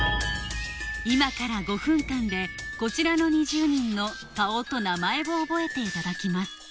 今から５分間でこちらの２０人の顔と名前を覚えていただきます